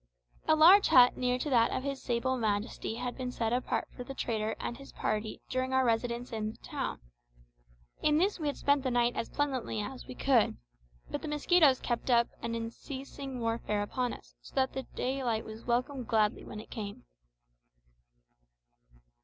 A large hut near to that of his sable majesty had been set apart for the trader and his party during our residence at the town. In this we had spent the night as pleasantly as we could, but the mosquitoes kept up an unceasing warfare upon us, so that daylight was welcomed gladly when it came.